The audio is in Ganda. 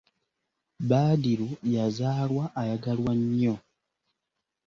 Badru yazaalwa ayagalwa nnyo.